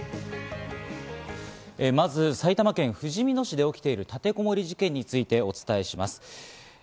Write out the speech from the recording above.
まず、埼玉県ふじみ野市で起きている立てこもり事件についてお伝えします。